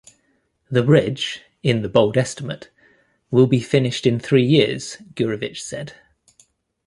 "The bridge, in the bold estimate, will be finished in three years," Gurevich said.